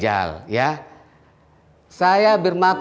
saya atasan selfie pak